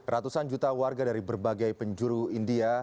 ratusan juta warga dari berbagai penjuru india